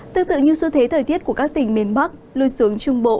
tương tự như xuất thế thời tiết của các tỉnh miền bắc lưu xuống trung bộ